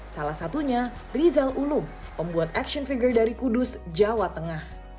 salah satunya rizal ulum pembuat action figure dari kudus jawa tengah